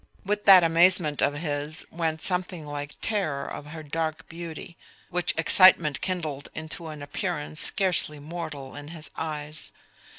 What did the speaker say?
With that amazement of his went something like terror of her dark beauty, which excitement kindled into an appearance scarcely mortal in his eyes.